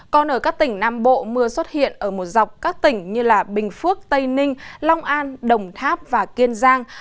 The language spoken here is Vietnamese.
còn ở các tỉnh nam bộ mưa xuất hiện ở một dọc các tỉnh như bình phước tây ninh long an đồng tháp và kiên giang